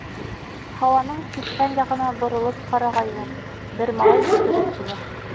Һауаның киткән яғына боролоп ҡарағайны, бер малай йүгереп килә.